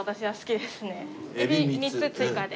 海老３つ追加で。